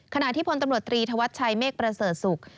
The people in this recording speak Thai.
ขณะที่พลตำรวจตรีธวัชชัยเมฆประเสริฐศุกร์